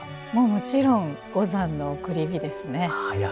もちろん五山の送り火ですね。